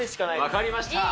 分かりました。